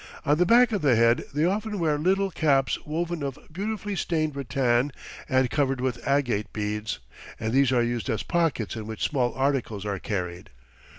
On the back of the head they often wear little caps woven of beautifully stained rattan and covered with agate beads, and these are used as pockets in which small articles are carried.